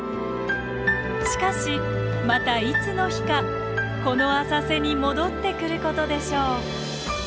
しかしまたいつの日かこの浅瀬に戻ってくることでしょう。